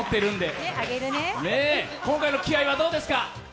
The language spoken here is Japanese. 今回の気合いはどうですか？